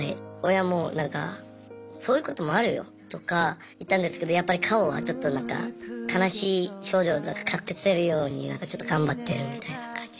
親もなんかそういうこともあるよとか言ったんですけどやっぱり顔はちょっとなんか悲しい表情を隠せるようになんかちょっと頑張ってるみたいな感じで。